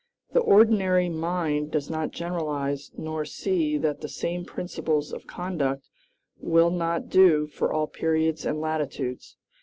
The ordinary mind does not generalize nor see that the same principles of conduct will not do for all periods and latitudes.